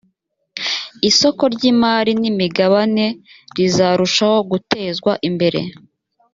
isoko ry imari n imigabane rizarushaho gutezwa imbere